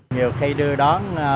nhiều khi đưa đón